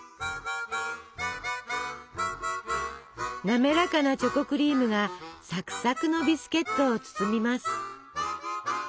滑らかなチョコクリームがサクサクのビスケットを包みます。